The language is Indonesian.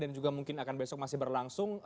dan juga mungkin akan besok masih berlangsung